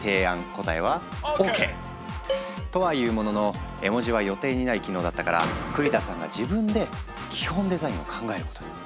答えはＯＫ！とはいうものの絵文字は予定にない機能だったから栗田さんが自分で基本デザインを考えることに。